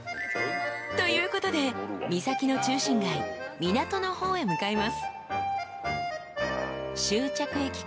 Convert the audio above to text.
［ということで三崎の中心街港の方へ向かいます］